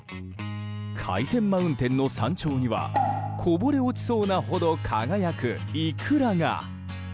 海鮮マウンテンの山頂にはこぼれ落ちそうなほど輝くイクラが。